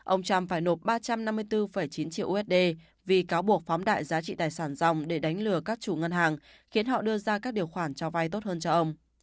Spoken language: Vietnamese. ông trump phải nộp ba trăm năm mươi bốn chín triệu usd vì cáo buộc phóng đại giá trị tài sản dòng để đánh lừa các chủ ngân hàng khiến họ đưa ra các điều khoản cho vay tốt hơn cho ông